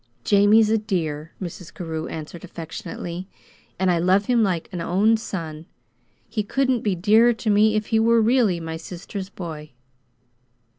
"Jamie's a dear," Mrs. Carew answered affectionately. "And I love him like an own son. He couldn't be dearer to me if he were really my sister's boy."